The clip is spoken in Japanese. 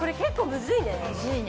むずいね。